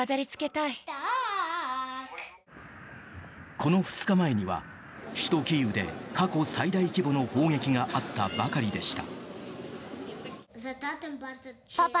この２日前には首都キーウで過去最大規模の砲撃があったばかりでした。